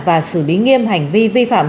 và xử lý nghiêm hành vi vi phạm